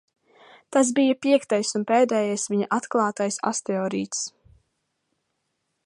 Tas bija piektais un pēdējais viņa atklātais asteroīds.